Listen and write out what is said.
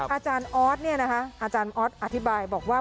อาจารย์อ๊อตอธิบายบอกว่า